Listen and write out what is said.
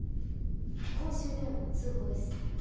公衆電話の通報です。